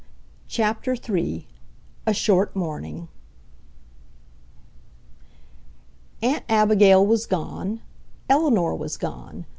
CHAPTER III A SHORT MORNING Aunt Abigail was gone, Eleanor was gone.